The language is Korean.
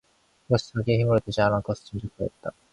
그것이 자기의 힘으로 되지 않을 것을 짐작하였다.